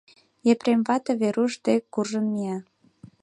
Епрем вате Веруш дек куржын мия.